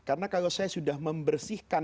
karena kalau saya sudah membersihkan